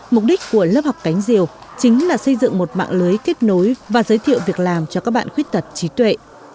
mục đích của lớp học cánh diều chính là xây dựng một mạng lưới kết nối và giới thiệu việc làm cho các bạn khuyết tật trí tuệ